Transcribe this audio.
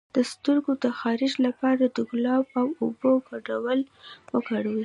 د سترګو د خارښ لپاره د ګلاب او اوبو ګډول وکاروئ